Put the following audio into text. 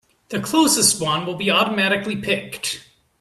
The closest one will be automatically picked.